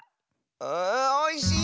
あおいしい！